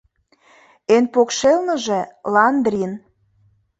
Эн покшелныже — ландрин!